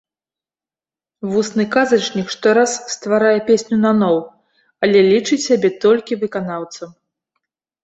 Вусны казачнік штораз стварае песню наноў, але лічыць сябе толькі выканаўцам.